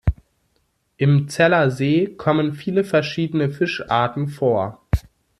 Im Zeller See kommen viele verschiedene Fischarten vor.